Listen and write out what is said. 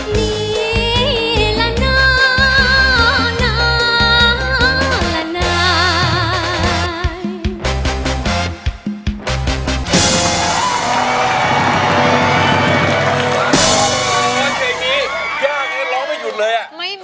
นี่และน้าน้าและนาย